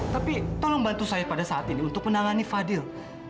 tapi tolong bantu saya pada saat ini untuk menangani fadil